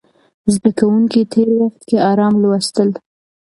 زده کوونکي تېر وخت کې ارام لوستل.